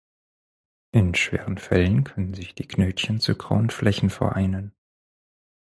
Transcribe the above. In schweren Fällen können sich die Knötchen zu grauen Flächen vereinen.